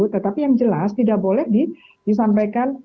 tetapi yang jelas tidak boleh disampaikan